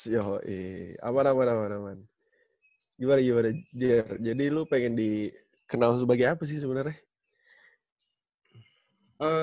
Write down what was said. yes ya hoi aman aman aman gimana gimana jadi lo pengen dikenal sebagai apa sih sebenernya